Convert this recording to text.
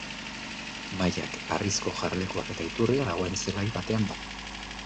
Mahaiak, harrizko jarlekuak eta iturria dagoen zelai batean dago.